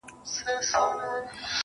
کمزوری سوئ يمه، څه رنگه دي ياده کړمه.